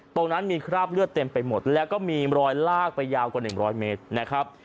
ตรงนั้นมีคราบเลือดเต็มไปหมดแล้วก็มีรอยลากไปยาวกว่า๑๐๐เมตรนะครับ